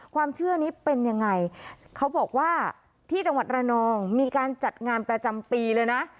ความเชื่อนี้เป็นยังไงเขาบอกว่าที่จังหวัดระนองมีการจัดงานประจำปีเลยนะ